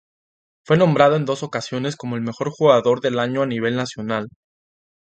Fue nombrado en dos ocasiones como el mejor jugador del año a nivel nacional.